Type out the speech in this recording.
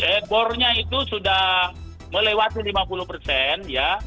ekornya itu sudah melewati lima puluh persen ya